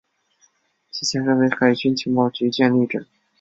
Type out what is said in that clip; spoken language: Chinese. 其前身为海军情报局建立之。